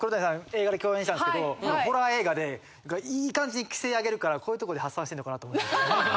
映画で共演したんですけどホラー映画で良い感じに奇声あげるからこういうところで発散してんのかなと思って。